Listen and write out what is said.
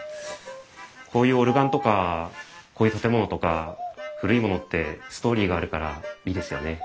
こういうオルガンとかこういう建物とか古いものってストーリーがあるからいいですよね。